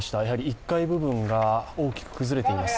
１階部分が大きく崩れています。